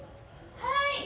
はい！